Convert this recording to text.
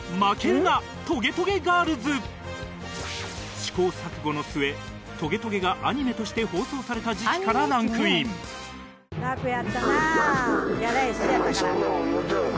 試行錯誤の末『トゲトゲ』がアニメとして放送された時期からランクイン参上！